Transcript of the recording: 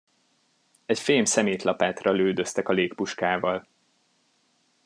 Egy fém szemétlapátra lődöztek a légpuskával.